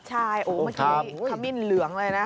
ใช่เมื่อกี้ขมิ้นเหลืองเลยนะ